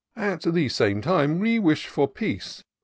" At the same time we wish for peace.